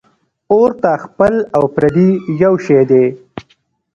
ـ اور ته خپل او پردي یو شی دی .